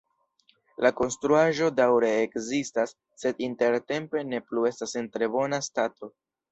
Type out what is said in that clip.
La konstruaĵo daŭre ekzistas, sed intertempe ne plu estas en tre bona stato.